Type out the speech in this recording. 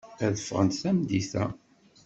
Ad ffɣent tameddit-a.